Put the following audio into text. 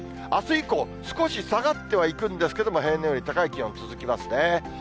あす以降、少し下がってはいくんですけど、平年より高い気温、続きますね。